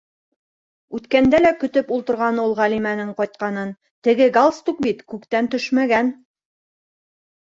Үткәндә лә көтөп ултырған ул Ғәлимәнең ҡайтканын - теге галстук бит күктән төшмәгән.